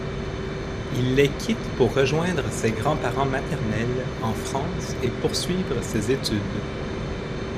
Il les quitte pour rejoindre ses grands-parents maternels en France et poursuivre ses études.